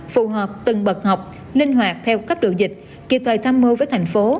phù hợp từng bậc học linh hoạt theo cấp độ dịch kịp thời tham mưu với thành phố